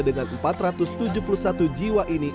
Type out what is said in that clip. dengan empat ratus tujuh puluh satu jiwa ini